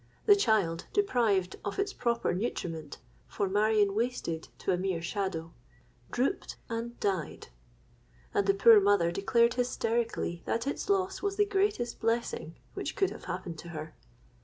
The child, deprived of its proper nutriment—for Marion wasted to a mere shadow—drooped and died; and the poor mother declared hysterically that its loss was the greatest blessing which could have happened to her.